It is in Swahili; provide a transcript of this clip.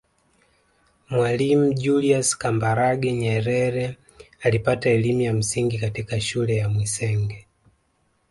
Mwalimu Julius Kambarage Nyerere alipata elimu ya msingi katika shule ya Mwisenge